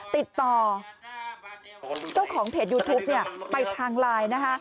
ติดต่อเจ้าของเพจยูทูปไปทางไลน์นะคะ